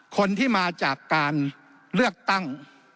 คนที่มาจากการเลือกตั้ง